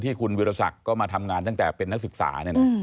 คุณวิรสักก็มาทำงานตั้งแต่เป็นนักศึกษา